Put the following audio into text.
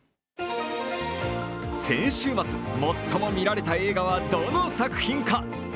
先週末最も見られた映画はどの作品か。